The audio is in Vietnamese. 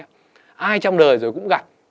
ai trong đời rồi cũng gặp